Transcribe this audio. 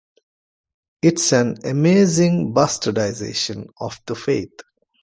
It's an amazing bastardization of the faith.